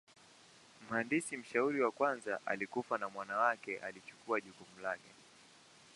Mhandisi mshauri wa kwanza alikufa na mwana wake alichukua jukumu lake.